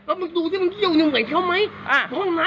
แล้วมึงดูที่มันเยี่ยวอยู่ไหนเท่าไหม